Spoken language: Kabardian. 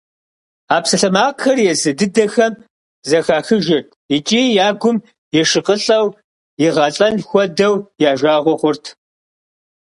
А псалъэмакъхэр езы дыдэхэми зэхахыжырт икӀи я гум ешыкъылӀэу, игъэлӀэн хуэдэу я жагъуэ хъурт.